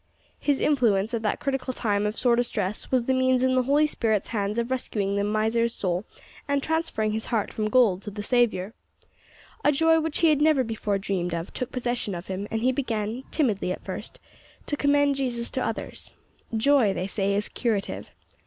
His influence at that critical time of sore distress was the means in the Holy Spirit's hands of rescuing the miser's soul, and transferring his heart from gold to the Saviour. A joy which he had never before dreamed of took possession of him, and he began, timidly at first to commend Jesus to others. Joy, they say, is curative.